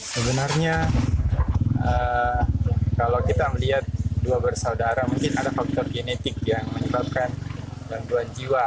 sebenarnya kalau kita melihat dua bersaudara mungkin ada faktor genetik yang menyebabkan gangguan jiwa